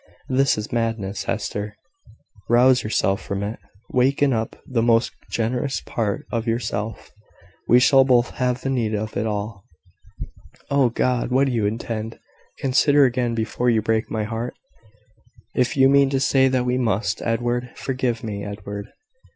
This is madness, Hester. Rouse yourself from it. Waken up the most generous part of yourself. We shall both have need of it all." "Oh, God! what do you intend? Consider again, before you break my heart, if you mean to say that we must... Edward! forgive me, Edward!"